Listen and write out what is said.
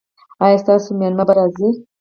ایا ستاسو میلمه به راځي؟